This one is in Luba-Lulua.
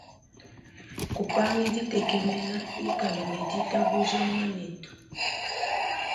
Kupangi ditekemena ikala ne ditabuja muanetu.